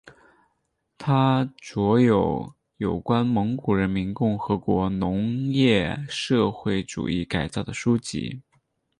他着有有关蒙古人民共和国农业社会主义改造的书籍。